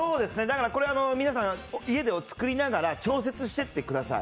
これ、皆さん家で作りながら調節してってください。